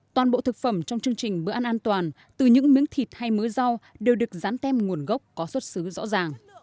toàn bộ thực phẩm trong chương trình bữa ăn an toàn từ những miếng thịt hay mứa rau đều được dán tem nguồn gốc có xuất xứ rõ ràng